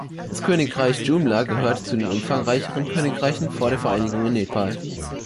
Das Königreich Jumla gehörte zu den umfangreicheren Königreichen vor der Vereinigung in Nepal.